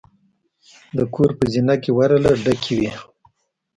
د کور په زینه کې ورغله ډکې وې.